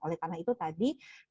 oleh karena itu tadi